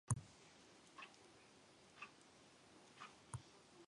Stone was defeated by Patrick Green.